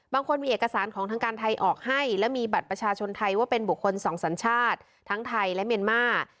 บางคนมีเอกสารของทางการไทยออกให้และมีบัตรประชาชนไทยว่าเป็นบุคคลสองสัญชาติทั้งไทยและเมียนมาร์